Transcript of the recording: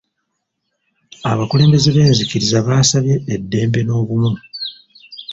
Abakulembeze b'enzikiriza baasabye eddembe n'obumu.